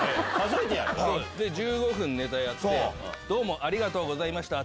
で１５分ネタやってどうもありがとうございました！